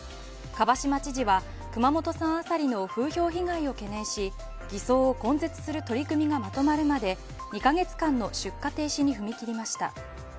蒲島知事は熊本産アサリの風評被害を懸念し偽装を根絶する取り組みがまとまるまで２カ月間の出荷停止に踏み切りました。